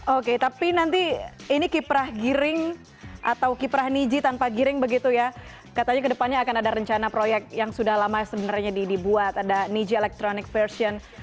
oke tapi nanti ini kiprah giring atau kiprah niji tanpa giring begitu ya katanya ke depannya akan ada rencana proyek yang sudah lama sebenarnya dibuat ada niji electronic version